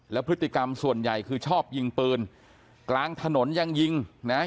แล้วพฤติกรรมส่วนใหญ่คือชอบยิงปืนกลางถนนยังยิงนะฮะ